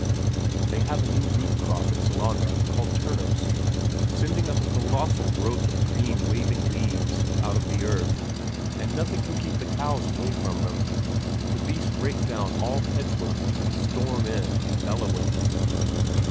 They have a new root crop at Sellanraa called turnips, sending up a colossal growth of green waving leaves out of the earth, and nothing can keep the cows away from them the beasts break down all hedgework, and storm in, bellowing.